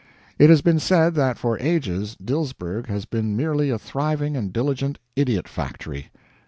It has been said that for ages Dilsberg has been merely a thriving and diligent idiot factory.